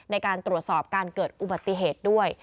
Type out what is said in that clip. ในการตรวจสอบการเกิดอุบัติเหตุด้วย